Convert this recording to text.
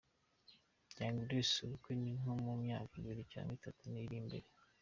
Young Grace: Ubukwe ni nko mu myaka ibiri cyangwa itatu iri imbere.